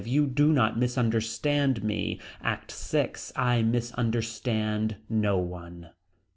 You do not misunderstand me. ACT VI. I misunderstand no one.